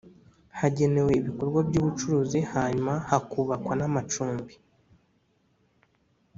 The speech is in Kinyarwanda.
Hagenewe ibikorwa by’ubucuruzi hanyuma hakubakwa n’ amacumbi